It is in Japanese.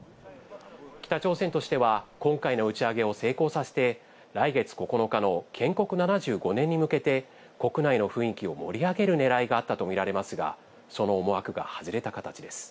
北朝鮮としては今回の打ち上げを成功させて、来月９日の建国７５年に向けて国内の雰囲気を盛り上げる狙いがあったとみられますが、その思惑が外れた形です。